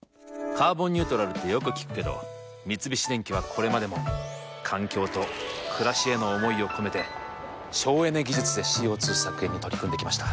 「カーボンニュートラル」ってよく聞くけど三菱電機はこれまでも環境と暮らしへの思いを込めて省エネ技術でＣＯ２削減に取り組んできました。